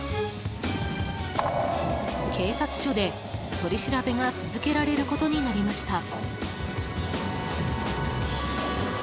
警察署で、取り調べが続けられることになりました。